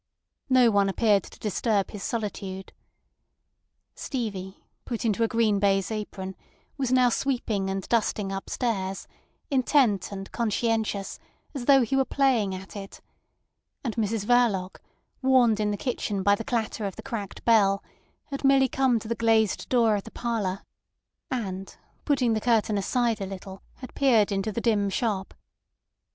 No one appeared to disturb his solitude. Stevie, put into a green baize apron, was now sweeping and dusting upstairs, intent and conscientious, as though he were playing at it; and Mrs Verloc, warned in the kitchen by the clatter of the cracked bell, had merely come to the glazed door of the parlour, and putting the curtain aside a little, had peered into the dim shop.